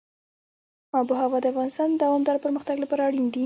آب وهوا د افغانستان د دوامداره پرمختګ لپاره اړین دي.